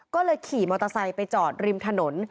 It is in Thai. ก็เลยขี่มอเตอร์ไซค์ไปจอดริมถนน